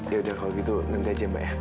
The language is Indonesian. yaudah kalau gitu nanti aja mbak